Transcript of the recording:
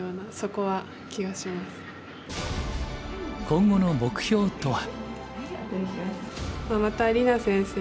今後の目標とは。